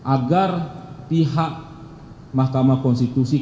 agar pihak mahkamah konstitusi